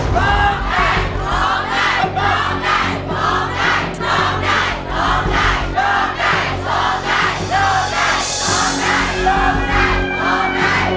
ร้องได้ร้องได้ร้องได้ร้องได้ร้องได้ร้องได้ร้องได้ร้องได้